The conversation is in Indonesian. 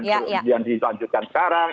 kemudian ditanjukan sekarang